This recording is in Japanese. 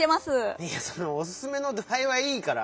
いやおすすめのどあいはいいから。